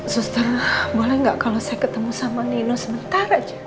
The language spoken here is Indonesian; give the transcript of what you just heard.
suster boleh nggak kalau saya ketemu sama nino sementara